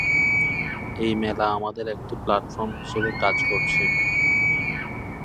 এই মেলা আমাদের একটি প্ল্যাটফর্ম হিসেবে কাজ করছে।